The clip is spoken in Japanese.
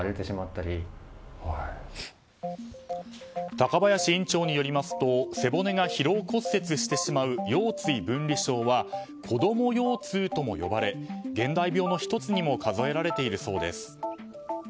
高林院長によりますと背骨が疲労骨折してしまう腰椎分離症は子供腰痛とも呼ばれ現代病の１つにも数えられているそうです。